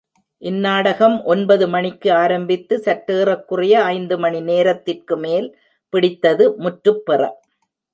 இந்நாடகம் ஒன்பது மணிக்கு ஆரம்பித்து சற்றேறக் குறைய ஐந்து மணி நேரத்திற்குமேல் பிடித்தது, முற்றுப்பெற.